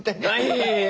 いえいえ。